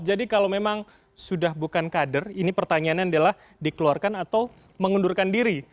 jadi kalau memang sudah bukan kader ini pertanyaannya adalah dikeluarkan atau mengundurkan diri